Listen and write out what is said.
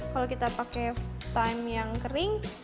kalau kita pakai time yang kering